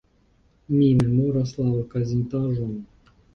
Mi memoras la okazintaĵon.